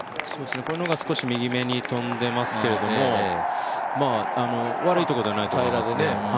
これの方が少し右目に飛んでますけれども、悪いところではないと思います。